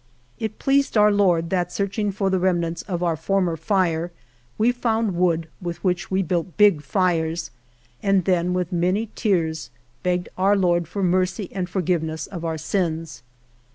It pleased Our Lord that, searching for the remnants of our for mer fire, we found wood with which we built big fires and then with many tears begged Our Lord for mercy and forgiveness of our sins.